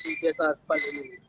di desa sepanyol ini